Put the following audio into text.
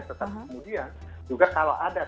tetapi kemudian juga kalau ada